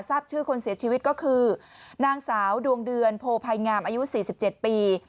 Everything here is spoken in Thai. ทราบชื่อคนเสียชีวิตก็คือนางสาวดวงเดือนโพภัยงามอายุ๔๗ปี